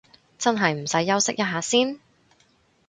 真係唔使休息一下先？